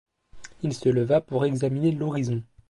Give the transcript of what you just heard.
Il se leva pour examiner l’horizon.